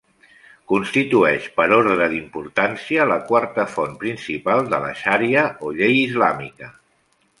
Constitueix, per ordre d'importància, la quarta font principal de la xaria o llei islàmica.